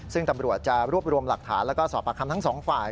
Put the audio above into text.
ซึ่งตำรวจจะรวบรวมหลักฐานแล้วก็สอบประคำทั้งสองฝ่าย